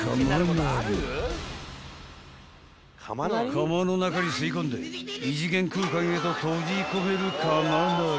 ［釜の中に吸い込んで異次元空間へと閉じ込める釜鳴り］